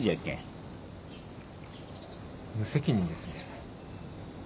無責任ですね。